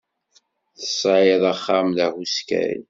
Tesɛid axxam d ahuskay.